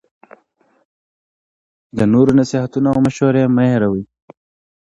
د نورو نصیحتونه او مشوری مه هیروه